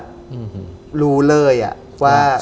อืมฮึหือรู้เลยนะครับ